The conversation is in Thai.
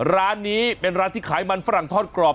ร้านนี้เป็นร้านที่ขายมันฝรั่งทอดกรอบ